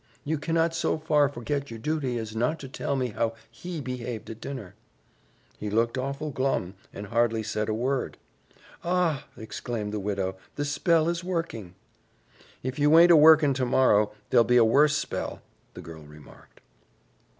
You cannot so far forget your duty as not to tell me how HE behaved at dinner." "He looked awful glum, and hardly said a word." "Ah h!" exclaimed the widow, "the spell is working." "If you aint a workin' tomorrow, there'll be a worse spell," the girl remarked.